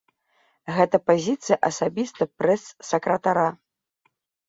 Гэта пазіцыя асабіста прэс-сакратара.